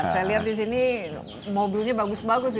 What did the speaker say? saya lihat di sini mobilnya bagus bagus